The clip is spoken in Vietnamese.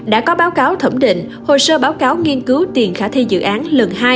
đã có báo cáo thẩm định hồ sơ báo cáo nghiên cứu tiền khả thi dự án lần hai